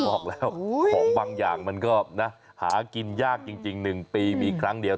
ออกแล้วของบางอย่างมันก็ซึ่งขายขาดยากจริง๑ปีก็มีครั้งเดียว